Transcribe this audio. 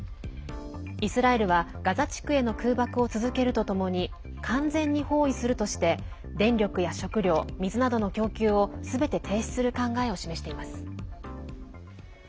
イスラエルはガザ地区への空爆を続けるとともに完全に包囲するとして電力や食料、水などの供給をすべて停止する考えを示しています。